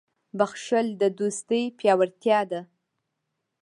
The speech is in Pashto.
• بښل د دوستۍ پیاوړتیا ده.